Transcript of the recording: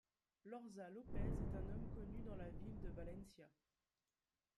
Lorsa Lopez est un homme connu dans la ville de Valencia.